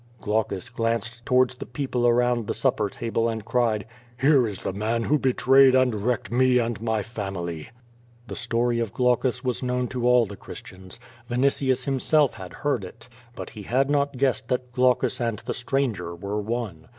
^' Glaucus glanced towards the people around the supper table and cried: "Here is the man who betrayed and wrecked me and my family." The story of Glaucus was known to all the Christians. Vini tius himself had heard it. Ihit lie had not guessed that Glau cus and the stranger were one.